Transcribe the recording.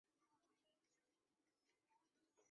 常用的药物有糖皮质激素和免疫抑制剂。